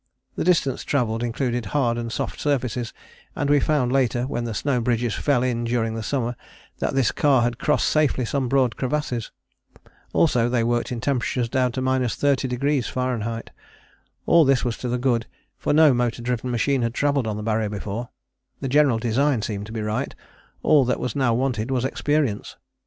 The distance travelled included hard and soft surfaces, and we found later when the snow bridges fell in during the summer that this car had crossed safely some broad crevasses. Also they worked in temperatures down to 30° Fahr. All this was to the good, for no motor driven machine had travelled on the Barrier before. The general design seemed to be right, all that was now wanted was experience.